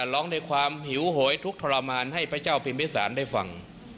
ร้องในความหิวโหยทุกข์ทรมานให้พระเจ้าพิมพิสารได้ฟัง